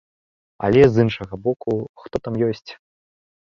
Але, з іншага боку, хто там ёсць?